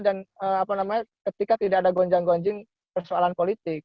apa namanya ketika tidak ada gonjang gonjing persoalan politik